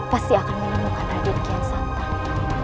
pasti akan menemukan raden kian santang